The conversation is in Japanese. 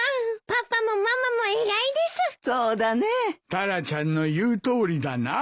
タラちゃんの言うとおりだな。